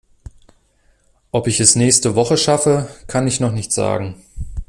Ob ich es nächste Woche schaffe, kann ich noch nicht sagen.